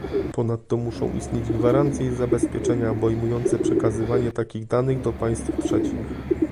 Ponadto muszą istnieć gwarancje i zabezpieczenia obejmujące przekazywanie takich danych do państw trzecich